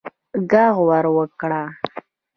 ږغ ور وکړه